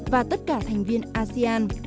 và tất cả thành viên asean